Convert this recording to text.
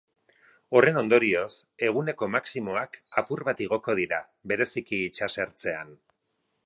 Horren ondorioz, eguneko maximoak apur bat igoko dira, bereziki itsasertzean.